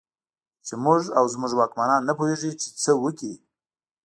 چې موږ او زموږ واکمنان نه پوهېږي چې څه وکړي.